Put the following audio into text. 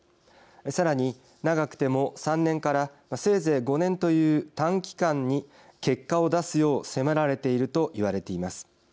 さらに、長くても３年から、せいぜい５年という短期間に結果を出すよう迫られているといわれています。